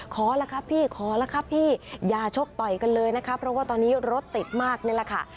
ขอแล้วครับพี่ขอแล้วครับพี่อย่าชกต่อยกันเลยนะคะเพราะว่าตอนนี้รถติดมากนี่แหละค่ะ